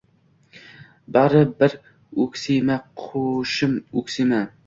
Bari bir o‘ksima, qushim, o‘ksima!